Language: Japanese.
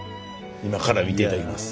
今から見て頂きます。